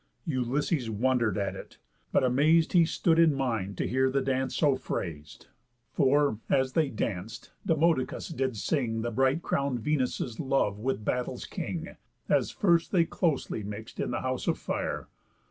Ulysses wonder'd at it, but amaz'd He stood in mind to hear the dance so phras'd. For, as they danc'd, Demodocus did sing, The bright crown'd Venus' love with Battle's King; As first they closely mix'd in th' house of fire.